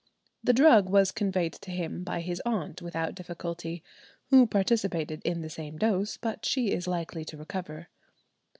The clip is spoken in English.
The drug was conveyed to him by his aunt without difficulty, "who participated in the same dose, but she is likely to recover."